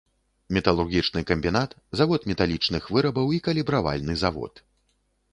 Металургічны камбінат, завод металічных вырабаў і калібравальны завод.